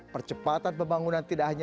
percepatan pembangunan tidak hanya